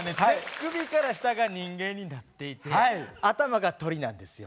首から下が人間になっていて頭が鳥なんですよ。